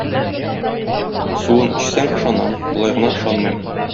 Суын эчсәң ышанам, болай гына ышанмыйм.